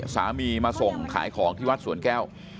มาส่งขายของที่วัดสวนแก้ว